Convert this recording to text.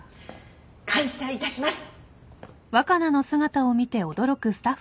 感謝いたします。